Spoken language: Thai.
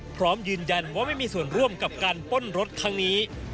พร้อมยืนยันว่าไม่มีส่วนร่วมกับการป้นรถครั้งนี้